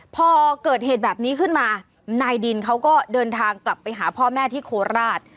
พอเกิดเหตุแบบนี้ขึ้นมานายดินเขาก็เดินทางกลับไปหาพ่อแม่ที่โคราช